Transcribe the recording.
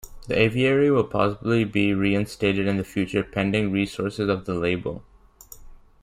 The Aviary will possibly be re-instated in the future pending resources of the label.